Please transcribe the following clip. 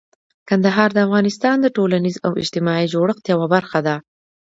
کندهار د افغانستان د ټولنیز او اجتماعي جوړښت یوه برخه ده.